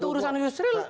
itu urusan yusril